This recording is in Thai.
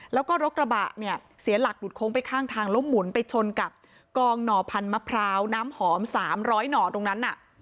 แล้วก็รกระบะเสียหลักดูดคงไปข้างทางลบหมุนไปชนกับกองหน่อพันธุ์มะพร้าวน้ำหอม๓๐๐หน่อตรงนั้น